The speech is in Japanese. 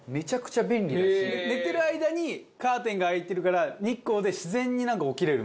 寝てる間にカーテンが開いてるから日光で自然になんか起きれるみたいな。